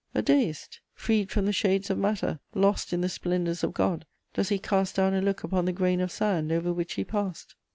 A deist? Freed from the shades of matter, lost in the splendours of God, does he cast down a look upon the grain of sand over which he passed?